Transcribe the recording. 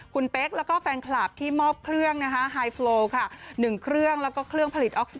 คุณเป๊กแล้วก็แฟนคลาบที่มอบเครื่องไฮฟรลลค่ะ๑เครื่อง